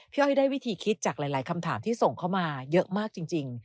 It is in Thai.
อ้อยได้วิธีคิดจากหลายคำถามที่ส่งเข้ามาเยอะมากจริง